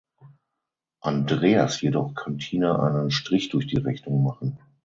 Andreas jedoch kann Tina einen Strich durch die Rechnung machen.